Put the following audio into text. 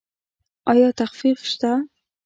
ایا تخفیف شته؟